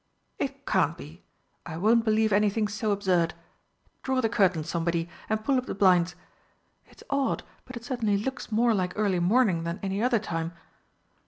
"It can't be! I won't believe anything so absurd. Draw the curtains, somebody, and pull up the blinds.... It's odd, but it certainly looks more like early morning than any other time.